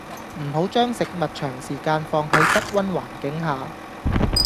唔好將食物長時間放喺室溫環境下